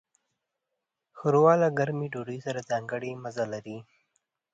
ښوروا له ګرمې ډوډۍ سره ځانګړی مزه لري.